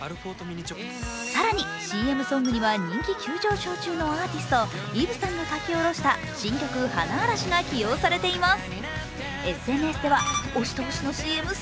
更に、ＣＭソングには人気急上昇中のアーティスト、Ｅｖｅさんが書き下ろした新曲「花嵐」が起用されています。